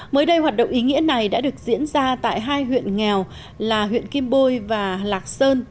mới đây hoạt động ý nghĩa này đã được diễn ra tại hai huyện nghèo là huyện kim bôi và lạc sơn